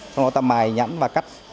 xong rồi ta mài nhẵn và cắt